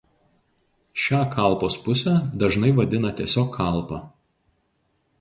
Šią kalpos pusę dažnai vadina tiesiog kalpa.